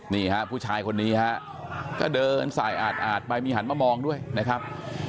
นี่ฮะผู้ชายคนนี้ฮะก็เดินสายอาดไปมีหันมามองด้วยนะครับ